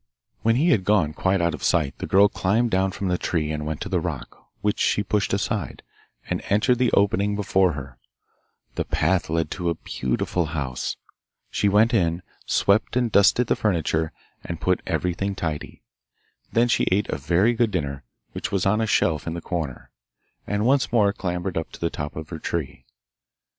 When he had gone quite out of sight the girl climbed down from the tree and went to the rock, which she pushed aside, and entered the opening before her. The path led to a beautiful house. She went in, swept and dusted the furniture, and put everything tidy. Then she ate a very good dinner, which was on a shelf in the corner, and once more clambered up to the top of her tree.